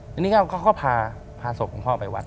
ทีนี้เขาก็พาศพของพ่อไปวัด